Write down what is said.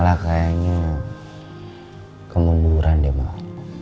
malah kayaknya kemburan deh emak